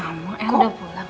lama el udah pulang